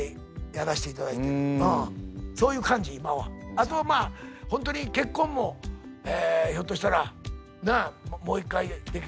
あとまあ本当に結婚もひょっとしたらなあもう一回できる。